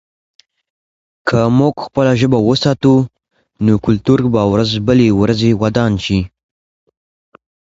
که موږ خپله ژبه وساتو، نو کلتور به ورځ بلې ورځې ودان شي.